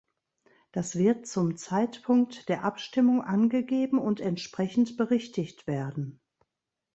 Das wird zum Zeitpunkt der Abstimmung angegeben und entsprechend berichtigt werden.